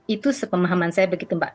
itu sepemahaman saya begitu mbak